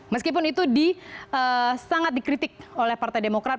meskipun itu sangat dikritik oleh partai demokrat